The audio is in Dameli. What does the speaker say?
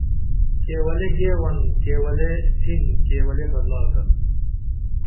کیولے گیون کیولے تھین کیولے بہ لاکن